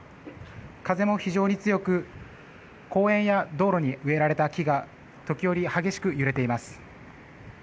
風も非常に強く公園や道路に植えられた木が時折激しく揺れています。